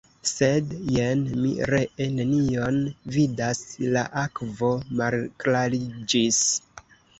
Sed, jen, mi ree nenion vidas, la akvo malklariĝis!